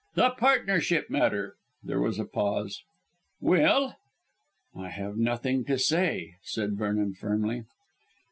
"The partnership matter." There was a pause. "Well?" "I have nothing to say," said Vernon firmly.